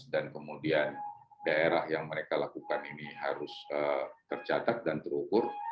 dan kemudian daerah yang mereka lakukan ini harus tercatat dan terukur